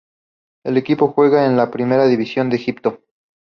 El equipo juega en la Primera División de Egipto.